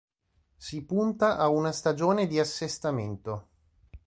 Si punta a una stagione di assestamento.